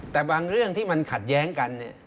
แต่บางเรื่องที่มันขัดแย้งกันเนี่ย